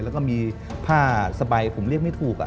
แล้วก็มีผ้าสบายผมเรียกไม่ถูก